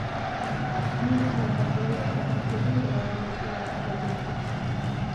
მის დამსახურებას აფასებდნენ მოწინააღმდეგეებიც.